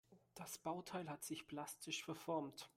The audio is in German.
Das Bauteil hat sich plastisch verformt.